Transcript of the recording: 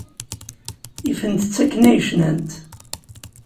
Ifent-t akken ay cnant.